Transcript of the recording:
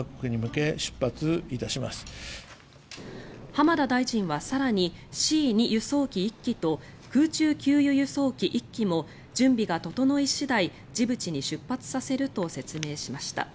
浜田大臣は更にＣ２輸送機１機と空中給油輸送機１機も準備が整い次第ジブチに出発させると説明しました。